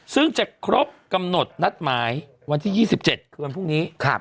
ซึ่งจะครบกำหนดนัดหมายวันที่๒๗คือวันพรุ่งนี้